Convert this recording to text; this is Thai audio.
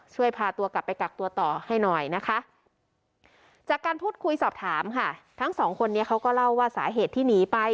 พาตัวกลับไปกักตัวต่อให้หน่อยนะคะจากการพูดคุยสอบถามค่ะทั้งสองคนนี้เขาก็เล่าว่าสาเหตุที่หนีไป